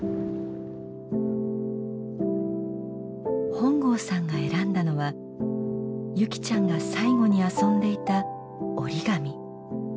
本郷さんが選んだのは優希ちゃんが最後に遊んでいた折り紙。